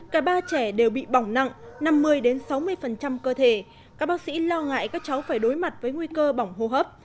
cả ba trẻ đều bị bỏng nặng năm mươi sáu mươi cơ thể các bác sĩ lo ngại các cháu phải đối mặt với nguy cơ bỏng hô hấp